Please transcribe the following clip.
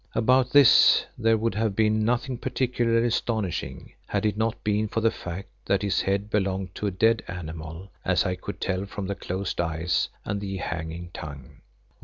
About this there would have been nothing particularly astonishing, had it not been for the fact that this head belonged to a dead animal, as I could tell from the closed eyes and the hanging tongue.